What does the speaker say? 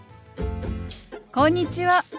こんにちは。